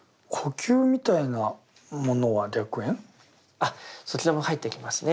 あっそちらも入ってきますね。